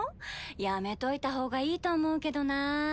やめといた方がいいと思うけどな。